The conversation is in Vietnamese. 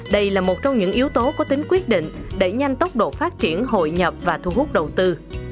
đây là một trong những yếu tố có tính quyết định đẩy nhanh tốc độ phát triển hội nhập và thu hút đầu tư